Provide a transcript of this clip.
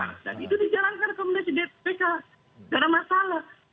dan itu dijalankan rekomendasi bpk tidak ada masalah